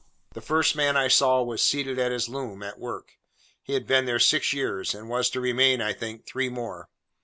The first man I saw, was seated at his loom, at work. He had been there six years, and was to remain, I think, three more.